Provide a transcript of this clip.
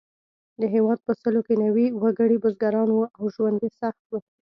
د هېواد په سلو کې نوي وګړي بزګران وو او ژوند یې سخت و.